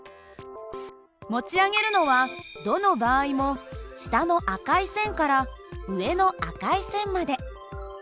持ち上げるのはどの場合も下の赤い線から上の赤い線まで。